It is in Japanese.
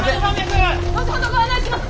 後ほどご案内します！